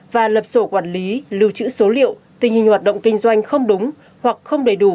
và lập sổ quản lý lưu trữ số liệu tình hình hoạt động kinh doanh không đúng hoặc không đầy đủ